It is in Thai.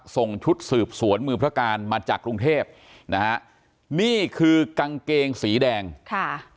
ส่งชุดสืบสวนมือพระการมาจากกรุงเทพนะฮะนี่คือกางเกงสีแดงค่ะ